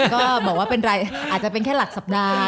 ก็บอกว่าเป็นไรอาจจะเป็นแค่หลักสัปดาห์